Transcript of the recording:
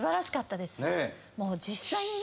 もう実際にね